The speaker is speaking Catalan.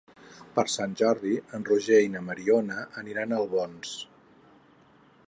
Per Sant Jordi en Roger i na Mariona aniran a Albons.